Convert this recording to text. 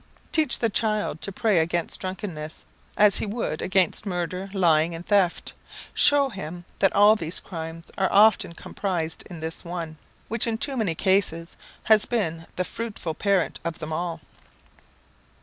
Teach the child to pray against drunkenness, as he would against murder, lying, and theft; shew him that all these crimes are often comprised in this one, which in too many cases has been the fruitful parent of them all.